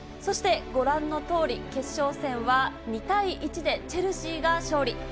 ご覧のとおり決勝戦は２対１でチェルシーが勝利。